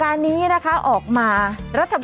แล้วนั้นคุณก็จะได้รับเงินเข้าแอปเป๋าตังค์